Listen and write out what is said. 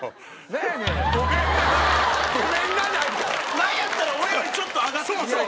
何やったら俺よりちょっと上がってる。